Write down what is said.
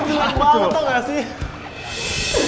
jelek banget tau gak sih